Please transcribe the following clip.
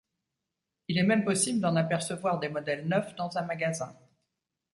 Il est même possible d'en apercevoir des modèles neufs dans un magasin.